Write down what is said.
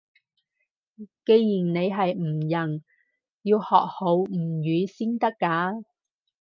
既然你係吳人，要學好吳語先得㗎